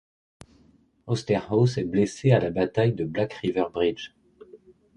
Osterhaus est blessé à la bataille de Black River Bridge.